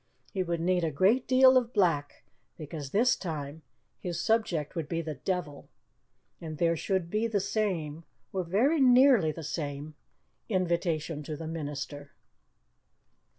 He would need a great deal of black, because this time his subject would be the devil; and there should be the same or very nearly the same invitation to the minister.